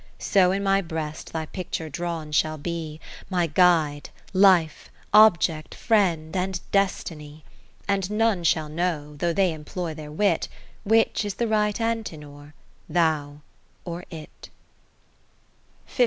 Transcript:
So in my breast thy picture drawn shall be, My Guide, Life, Object, Friend, and Destiny : And none shall know, though they employ their wit, Which is the right Antenor, thou, or it.